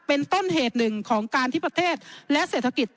เป็นต้นเหตุหนึ่งของการที่ประเทศและเศรษฐกิจ